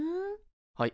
はい。